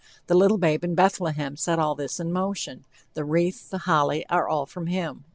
The little babe in Bethlehem set all this in motion, the wreath, the holly, are all from him."